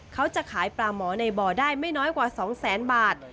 เขาจะขายปลาหมอในบ่อได้ไม่น้อยกว่า๒แสนบาท